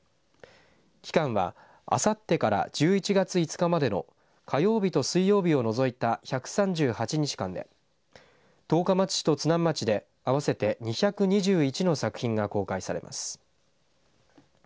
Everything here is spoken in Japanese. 期間はあさってから１１月５日までの火曜日と水曜日を除いた１３８日間で十日町市と津南町で合わせて２２１の作品が公開されます。